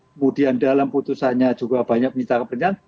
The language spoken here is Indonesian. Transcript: kemudian dalam putusannya juga banyak penyesakan pertanyaan